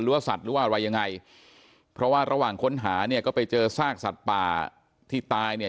ว่าสัตว์หรือว่าอะไรยังไงเพราะว่าระหว่างค้นหาเนี่ยก็ไปเจอซากสัตว์ป่าที่ตายเนี่ย